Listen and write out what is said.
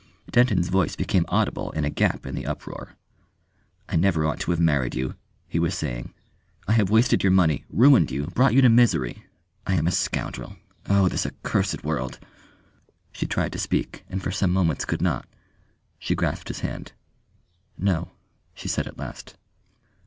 Denton's voice became audible in a gap in the uproar. "I never ought to have married you," he was saying. "I have wasted your money, ruined you, brought you to misery. I am a scoundrel.... Oh, this accursed world!" She tried to speak, and for some moments could not. She grasped his hand. "No," she said at last.